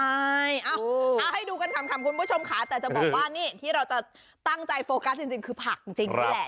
ใช่เอาให้ดูกันขำคุณผู้ชมค่ะแต่จะบอกว่านี่ที่เราจะตั้งใจโฟกัสจริงคือผักจริงนี่แหละ